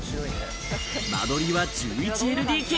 間取りは１１ＬＤＫ。